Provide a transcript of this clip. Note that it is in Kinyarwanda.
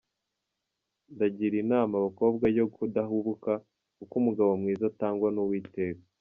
Ndagira inama abakobwa yo kudahubuka, kuko umugabo mwiza atangwa n’uwiteka.